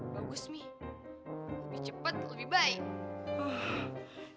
bagus nih lebih cepat lebih baik